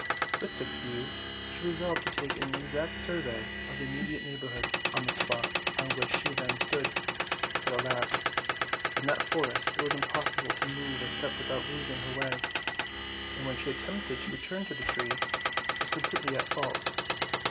With this view, she resolved to take an exact survey of the immediate neighborhood of the spot on which she then stood; but, alas! in that forest it was impossible to move a step without losing her way, and when she attempted to return to the tree she was completely at fault.